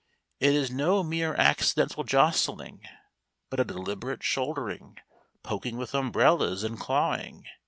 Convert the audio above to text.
It is no mere accidental jostling, but a deliberate shouldering, poking with umbrellas, and clawing.